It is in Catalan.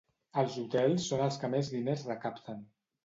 Els hotels són els que més diners recapten.